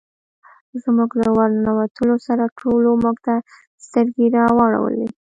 زموږ له ور ننوتلو سره ټولو موږ ته سترګې را واړولې.